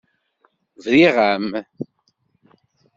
Briɣ-am.